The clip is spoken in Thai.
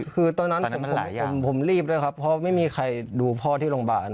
คือตอนนั้นผมรีบด้วยครับเพราะไม่มีใครดูพ่อที่โรงพยาบาล